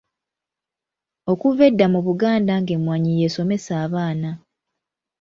Okuva edda mu Buganda ng'emmwanyi y'esomesa abaana.